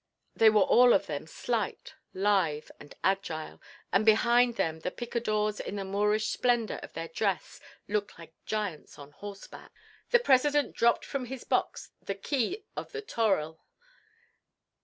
They were all of them slight, lithe and agile, and behind them the picadors in the Moorish splendor of their dress looked like giants on horseback. The President dropped from his box the key of the toril.